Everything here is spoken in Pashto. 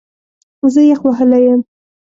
زه یخ وهلی یم